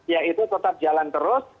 yaitu tetap jalan terus